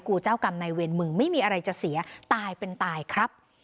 เจ้ากรรมในเวรมึงไม่มีอะไรจะเสียตายเป็นตายครับ